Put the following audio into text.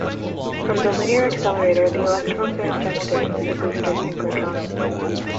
From the linear accelerator, the electrons are injected into the booster synchrotron.